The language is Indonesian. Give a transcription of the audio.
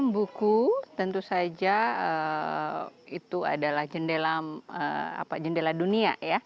buku tentu saja itu adalah jendela dunia